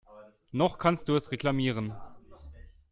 Noch kannst du es reklamieren.